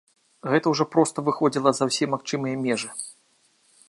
Гэта ўжо проста выходзіла за ўсе магчымыя межы.